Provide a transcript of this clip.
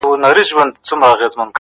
اې ژوند خو نه پرېږدمه ژوند کومه تا کومه